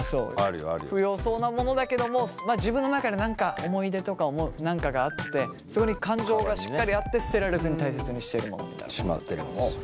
不要そうなものだけども自分の中で何か思い出とか何かがあってそこに感情がしっかりあって捨てられずに大切にしてるものみたいなものだったけども。